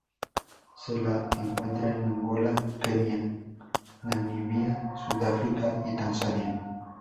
Se la encuentra en Angola, Kenia, Namibia, Sudáfrica y Tanzania.